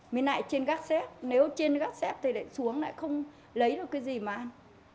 mình lại trên gác xếp nếu trên gác xếp thì lại xuống lại không lấy được cái gì mà ăn